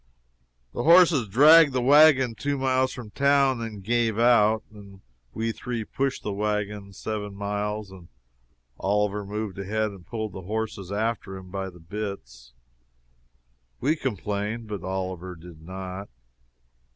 The horses dragged the wagon two miles from town and then gave out. Then we three pushed the wagon seven miles, and Oliver moved ahead and pulled the horses after him by the bits. We complained, but Oliver did not.